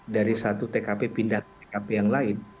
dari satu tkp pindah ke tkp yang lain